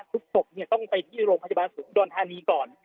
ทุกศพเนี่ยต้องไปที่โรงพัฒนาศูนย์ด่วนธานีก่อน